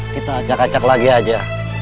kita acak acak lagi aja